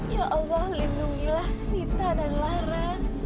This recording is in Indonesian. ya allah lindungilah sita dan lara